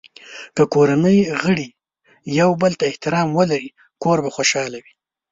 که کورنۍ غړي یو بل ته احترام ولري، کور به خوشحال وي.